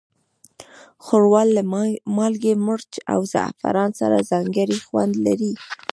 ښوروا له مالګې، مرچ، او زعفران سره ځانګړی خوند لري.